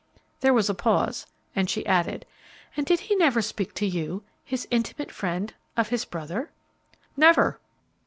There was a pause, and she added, "And did he never speak to you, his intimate friend, of his brother?" "Never."